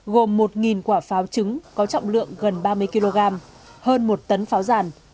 gồm một quả pháo trứng có trọng lượng gần ba mươi kg hơn một tấn pháo giàn